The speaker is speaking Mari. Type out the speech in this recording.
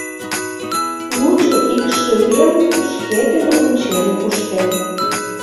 Лучо икшывем шкетын ончен куштем.